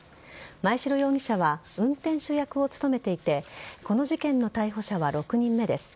真栄城容疑者は運転手役を務めていてこの事件の逮捕者は６人目です。